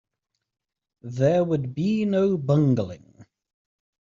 There would be no bungling.